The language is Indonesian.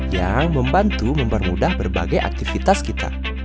yang membantu mempermudah berbagai aktivitas kita